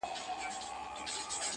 لا ترڅو به وچ په ښاخ پوري ټالېږم!